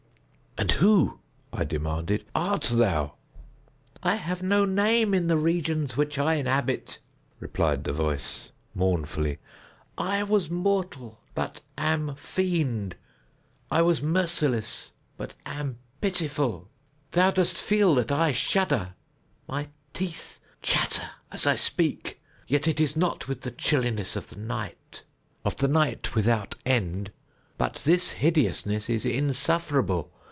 "And who," I demanded, "art thou?" "I have no name in the regions which I inhabit," replied the voice, mournfully; "I was mortal, but am fiend. I was merciless, but am pitiful. Thou dost feel that I shudder. My teeth chatter as I speak, yet it is not with the chilliness of the night—of the night without end. But this hideousness is insufferable.